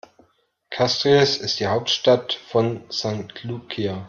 Castries ist die Hauptstadt von St. Lucia.